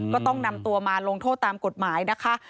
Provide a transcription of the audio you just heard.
ก็ต้องนำตัวมาลงโทษตามกฎหมายนะคะ